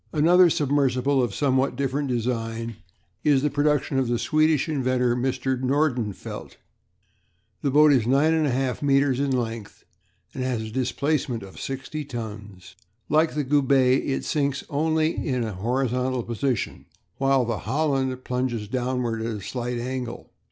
Another submersible of somewhat different design is the production of the Swedish inventor, Mr. Nordenfelt. This boat is 9 1/2 metres in length, and has a displacement of sixty tons. Like the Goubet it sinks only in a horizontal position, while the Holland plunges downward at a slight angle.